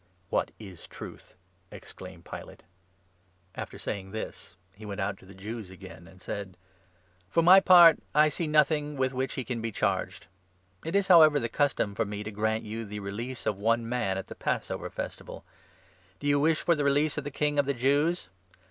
" What is Truth ?" exclaimed Pilate. 18 JOHN, 18 19. 203 After saying this, he went out to the Jews again, and said :" For my part, I find nothing with which he can be charged. It is, however, the custom for me to grant you the release of 39 one man at the Passover Festival. Do you wish for the release of the King of the Jews